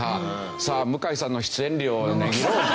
さあ向井さんの出演料を値切ろうか。